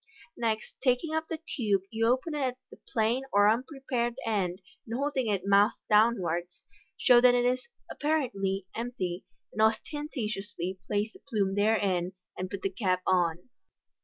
Next taking up the tube, you open it at the plain or unprepared end, and holding it mouth downwards, show that it is (apparently) empty ; then ostentatiously place the plume therein, and put the cap on.